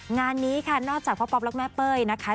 งานนี้ค่ะนอกจากพ่อป๊อปและแม่เป้ยนะคะ